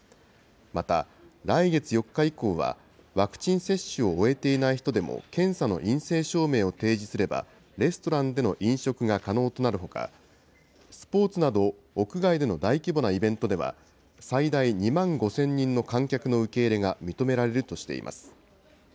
また、来月４日以降は、ワクチン接種を終えていない人でも、検査の陰性証明を提示すれば、レストランでの飲食が可能となるほか、スポーツなど、屋外での大規模なイベントでは、最大２万５０００人の観客の受け入れが認められるとしています。